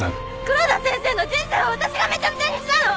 黒田先生の人生は私がめちゃめちゃにしたの！